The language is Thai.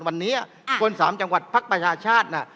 วันนี้คนสามจังหวัดภประชาชาติ